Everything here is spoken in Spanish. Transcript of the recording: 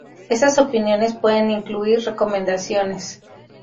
Estas opiniones pueden incluir recomendaciones.